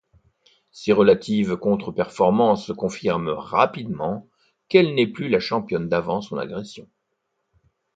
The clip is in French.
Ses relatives contre-performances confirment rapidement qu'elle n'est plus la championne d'avant son agression.